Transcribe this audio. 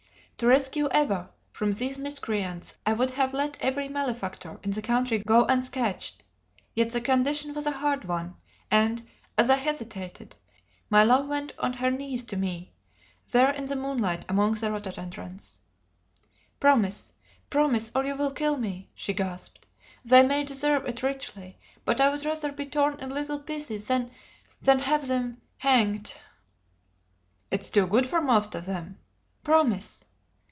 To rescue Eva from these miscreants I would have let every malefactor in the country go unscathed: yet the condition was a hard one; and, as I hesitated, my love went on her knees to me, there in the moonlight among the rhododendrons. "Promise promise or you will kill me!" she gasped. "They may deserve it richly, but I would rather be torn in little pieces than than have them hanged!" "It is too good for most of them." "Promise!"